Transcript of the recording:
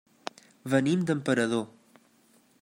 Venim d'Emperador.